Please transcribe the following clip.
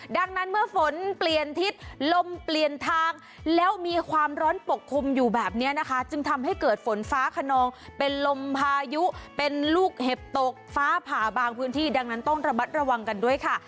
ดังนั้นเมื่อฝนเปลี่ยนทิศลมเปลี่ยนทางแล้วมีความร้อนปกคลุมอยู่แบบนี้นะคะจึงทำให้เกิดฝนฟ้าขนองเป็นลมพายุเป็นลูกเห็บตกฟ้าผ่าบางพื้นที่ดังนั้นต้องระมัดระวังกันด้วยค่ะ